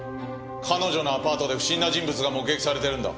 彼女のアパートで不審な人物が目撃されてるんだ。